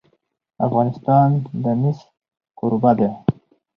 افغانستان د مس کوربه دی.